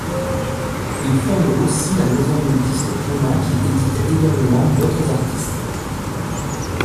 Il fonde aussi la maison de disques Pneuma qui édite également d'autres artistes.